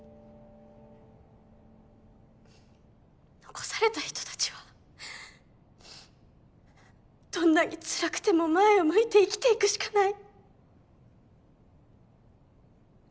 遺された人たちはどんなにつらくても前を向いて生きていくしかない。